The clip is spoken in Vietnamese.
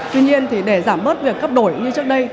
tuy nhiên thì để giảm bớt việc cấp đổi như trước đây